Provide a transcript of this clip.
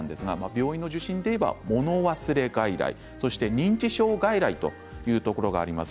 病院の受診は物忘れ外来そして認知症外来というところがあります。